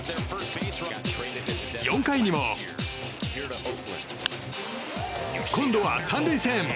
４回にも、今度は３塁線。